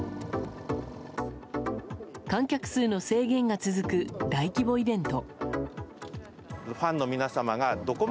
観客数の制限が続く大規模イベント。